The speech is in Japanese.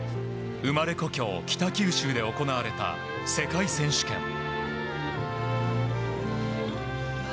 生まれ故郷・北九州で行われた世界選手権。